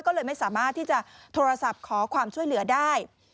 ก็เลยไม่สามารถที่จะโทรศัพท์ขอความช่วยเหลือได้